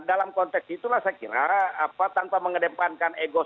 nah dalam konteks itulah saya kira apa tanpa mengedepankan egois